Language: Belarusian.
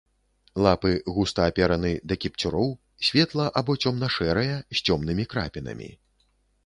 Лапы густа апераны да кіпцюроў, светла- або цёмна-шэрыя, з цёмнымі крапінамі.